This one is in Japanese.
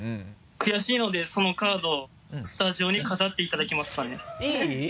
悔しいのでそのカードスタジオに飾っていただけますかね？